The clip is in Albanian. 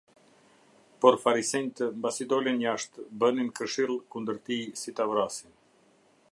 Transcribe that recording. Por farisenjtë, mbasi dolën jashtë, bënin këshill kundër tij si ta vrasin.